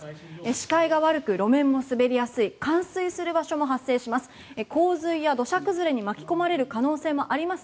視界が悪く路面も滑りやすい冠水する場所も発生します。